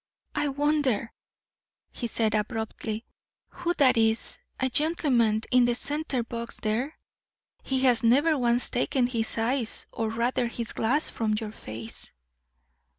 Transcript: "I wonder," he said, abruptly, "who that is a gentleman in the center box there? He has never once taken his eyes, or rather his glass, from your face."